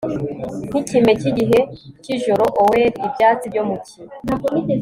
Nkikime cyigihe cyijoro oer ibyatsi byo mu cyi